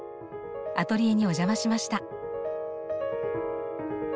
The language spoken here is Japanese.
アトリエにお邪魔しました。